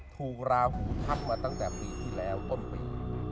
ราหูทับมาตั้งแต่ปีที่แล้วต้นปี